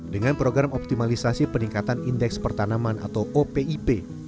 dengan program optimalisasi peningkatan indeks pertanaman atau opip